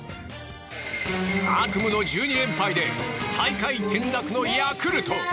悪夢の１２連敗で最下位転落のヤクルト。